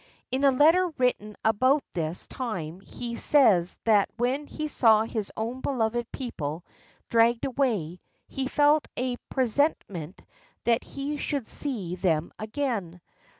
In a letter written about this time he says that when he saw his own beloved people dragged away, he felt a presentiment that he should see them again.